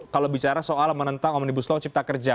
kalau bicara soal menentang omnibus law cipta kerja